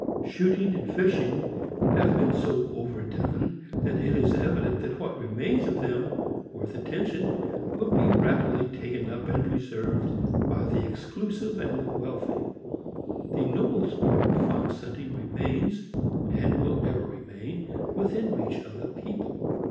Shooting and fishing have been so overdone that it is evident that what remains of them, worth attention, will be rapidly taken up and preserved by the exclusive and the wealthy. The noble sport of fox hunting remains, and will ever remain, within reach of the people.